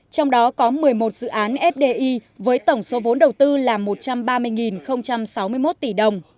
trong đó có một mươi một dự án fdi với tổng số vốn đầu tư là một trăm ba mươi sáu mươi một tỷ đồng